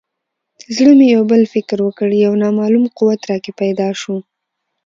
زړه مې یو بل فکر وکړ یو نامعلوم قوت راکې پیدا شو.